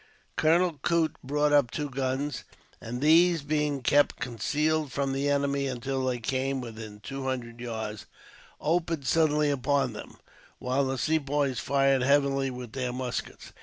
Colonel Coote brought up two guns, and these, being kept concealed from the enemy until they came within two hundred yards, opened suddenly upon them, while the Sepoys fired heavily with their muskets.